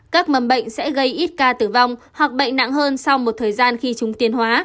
các mầm bệnh sẽ gây ít ca tử vong hoặc bệnh nặng hơn sau một thời gian khi chúng tiến hóa